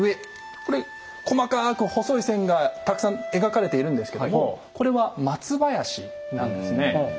これ細かく細い線がたくさん描かれているんですけどもこれは松林なんですね。